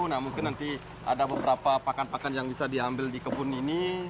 nah mungkin nanti ada beberapa pakan pakan yang bisa diambil di kebun ini